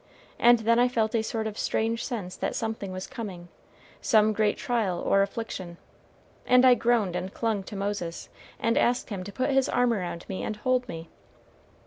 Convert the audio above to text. And then I felt a sort of strange sense that something was coming some great trial or affliction and I groaned and clung to Moses, and asked him to put his arm around me and hold me.